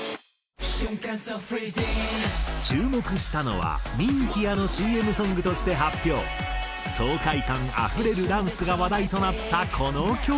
「瞬間ＳｏＦｒｅｅｚｉｎ’」注目したのはミンティアのＣＭソングとして発表爽快感あふれるダンスが話題となったこの曲。